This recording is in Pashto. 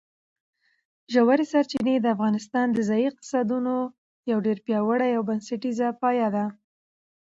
ژورې سرچینې د افغانستان د ځایي اقتصادونو یو ډېر پیاوړی او بنسټیز پایایه دی.